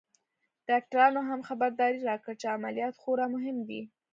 ډاکترانو هم خبرداری راکړ چې عمليات خورا مهم دی.